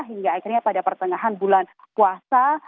hingga akhirnya pada pertengahan bulan puasa